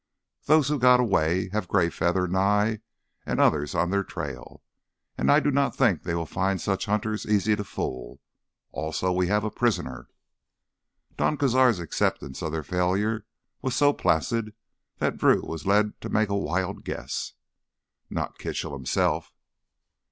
Those who got away have Greyfeather, Nye, and others on their trail. And I do not think they will find such hunters easy to fool. Also, we have a prisoner...." Don Cazar's acceptance of their failure was so placid that Drew was led to make a wild guess. "Not Kitchell himself!"